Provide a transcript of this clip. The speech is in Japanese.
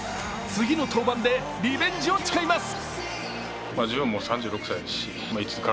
次の登板でリベンジを誓います。